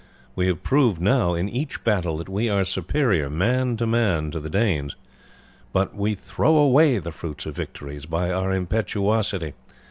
We have proved now in each battle that we are superior man to man to the Danes, but we throw away the fruits of victory by our impetuosity.